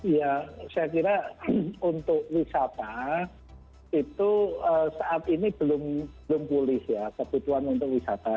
ya saya kira untuk wisata itu saat ini belum pulih ya kebutuhan untuk wisata